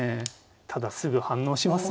ただすぐ反応しますね。